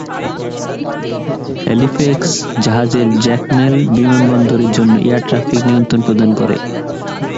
Halifax জাহাজের জ্যাকমেল বিমানবন্দরের জন্য এয়ার ট্রাফিক নিয়ন্ত্রণ প্রদান করে।